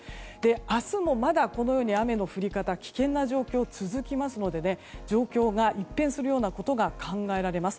明日もまだこのように雨の降り方危険な状況は続くので状況が一変するようなことが考えられます。